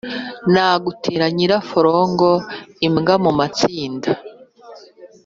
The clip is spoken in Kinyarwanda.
nagutera nyiraforongo-imbwa mu masinde.